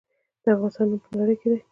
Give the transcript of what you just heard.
د افغانستان نوم په نړۍ کې دی